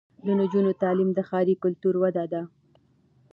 د نجونو تعلیم د ښاري کلتور وده ده.